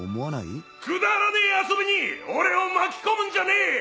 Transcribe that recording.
くだらねえ遊びに俺を巻き込むんじゃねえ！